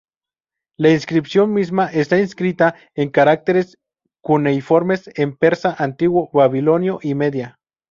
La inscripción misma está inscrita en caracteres cuneiformes en persa antiguo, babilonio, y media.